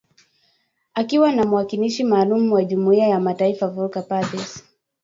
Akiwa na mwakilishi maalum wa Jumuiya ya mataifa, Volker Perthes.